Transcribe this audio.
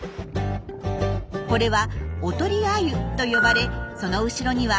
これは「おとりアユ」と呼ばれその後ろには針があります。